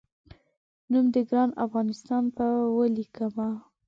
نوم د ګران افغانستان په ولیکمه